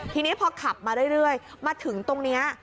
ทีนี้พอขับมาเรื่อยมาถึงตรงนี้